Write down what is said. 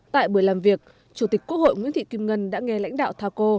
tại buổi làm việc chủ tịch quốc hội nguyễn thị kim ngân đã nghe lãnh đạo thaco